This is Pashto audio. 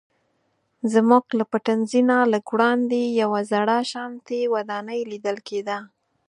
زموږ له پټنځي نه لږ وړاندې یوه زړه شانتې ودانۍ لیدل کیده.